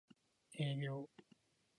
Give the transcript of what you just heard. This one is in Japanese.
営業